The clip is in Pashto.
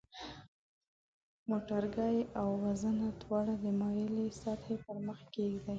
موټرګی او وزنه دواړه د مایلې سطحې پر مخ کیږدئ.